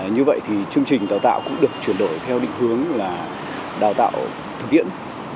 như vậy thì chương trình đào tạo cũng được chuyển đổi theo định hướng là đào tạo thực tiễn